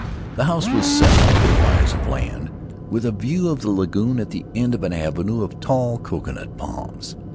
The house was set on a little rise of land, with a view of the lagoon at the end of an avenue of tall coconut palms.